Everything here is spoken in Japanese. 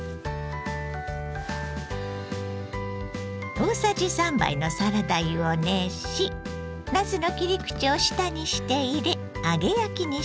大さじ３杯のサラダ油を熱しなすの切り口を下にして入れ揚げ焼きにします。